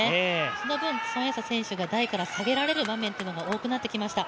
その分、孫エイ莎選手が台から下げられる場面が多くなってきました。